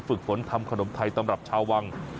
ฝึกฝนทำขนมไทยตำรับชาววัง